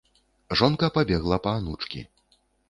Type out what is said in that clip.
Жонка пабегла па анучкі.